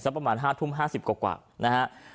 ประมาณ๕ทุ่ม๕๐กว่านะฮะ